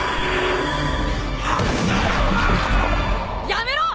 やめろ！